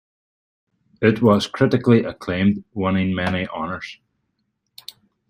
It was critically acclaimed, winning many honors.